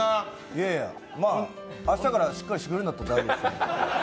いやいや、もう明日からしっかりしてくれるんなら大丈夫です。